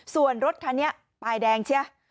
ส่วนรถคันนี้ปลายแดงเชียะ